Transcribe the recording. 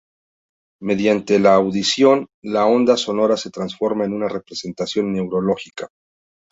Mediante la "audición," la onda sonora se transforma en una representación neurológica.